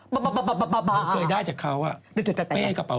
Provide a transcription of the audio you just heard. บะเราเคยได้จากเขาอะ